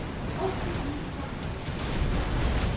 Okdek mil frankoj!